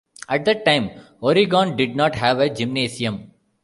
At the time, Oregon did not have a gymnasium.